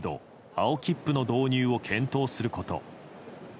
青切符の導入を検討すること。